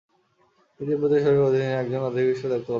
তিনি তিব্বত সরকারের অধীনে একজন আধিকারিক হিসেবে দায়িত্ব লাভ করেন।